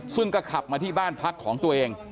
ซึ่งก็ขับมาที่บ้านพักของตัวเอง